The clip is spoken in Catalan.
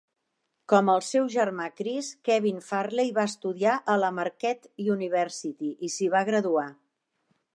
Com el seu germà Chris, Kevin Farley va estudiar a la Marquette University i s'hi va graduar.